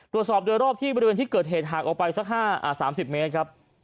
ตรวจสอบโดยรอบที่บริเวณที่เกิดเหตุห่างออกไปสัก๓๐เมตรครับ